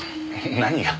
何が？